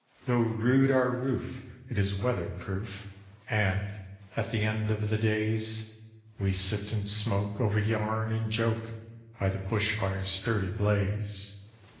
Though rude our roof, it is weather proof, And at the end of the days We sit and smoke over yarn and joke, By the bush fire's sturdy blaze.